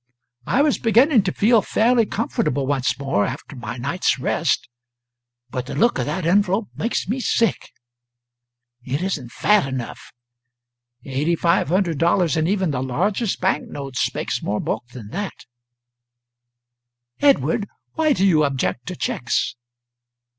I was beginning to feel fairly comfortable once more, after my night's rest, but the look of that envelope makes me sick. It isn't fat enough; $8,500 in even the largest bank notes makes more bulk than that." "Edward, why do you object to cheques?"